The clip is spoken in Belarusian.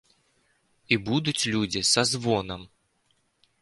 І будуць людзі са звонам.